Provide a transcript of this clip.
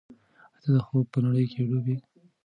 آیا ته د خوب په نړۍ کې ډوب یې؟